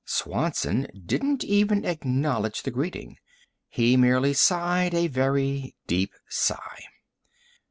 Swanson didn't even acknowledge the greeting. He merely sighed a very deep sigh.